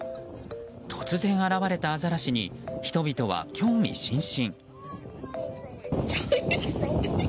突然現れたアザラシに人々は興味津々。